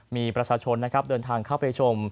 มีประชาชนนะครับเดินทางเข้าไปชม